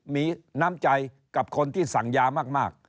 มีน้ำใจกับคนที่สั่งยามาก